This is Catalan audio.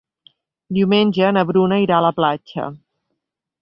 Diumenge na Bruna irà a la platja.